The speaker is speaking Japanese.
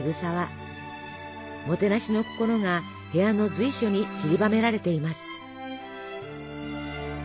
もてなしの心が部屋の随所にちりばめられています。